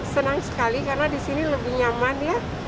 senang sekali karena disini lebih nyaman ya